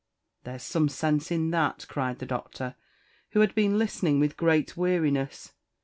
"There's some sense in that," cried the Doctor, who had been listening with great weariness."